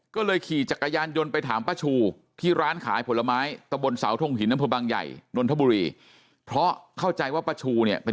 ก็เลยขี่จักรยานยนต์ไปถามป้าชูที่ร้านขายผลไม้ตะบนเสาทงหินอำเภอบางใหญ่นนทบุรีเพราะเข้าใจว่าป้าชูเนี่ยเป็น